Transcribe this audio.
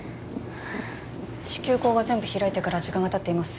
子宮口が全部開いてから時間がたっています